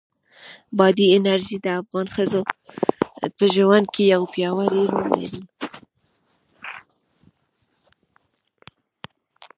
بادي انرژي د افغان ښځو په ژوند کې یو پیاوړی رول لري.